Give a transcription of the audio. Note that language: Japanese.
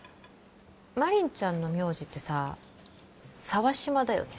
真凛ちゃんの名字ってさ沢島だよね？